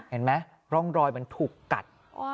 เห็นไหมร่องรอยมันถูกกัด